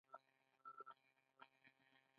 په دې ښار کې ډېر کارونه کیږي